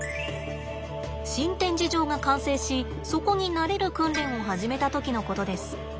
新展示場が完成しそこに慣れる訓練を始めた時のことです。